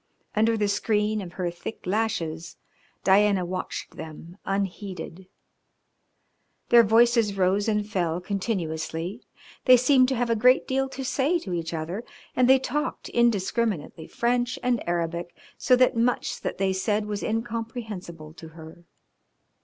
Under the screen of her thick lashes Diana watched them unheeded. Their voices rose and fell continuously; they seemed to have a great deal to say to each other, and they talked indiscriminately French and Arabic so that much that they said was incomprehensible to her.